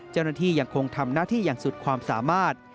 เจ้าหน้าที่ยังคงทำหน้าที่อย่างสุดความสามารถ